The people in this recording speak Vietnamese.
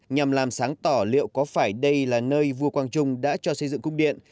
nhằm làm sáng tỏ liệu có phải đây là nơi vua quang trung đã cho xây dựng cung điện